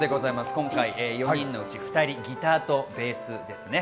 今回、４人のうち２人ギターとベースです。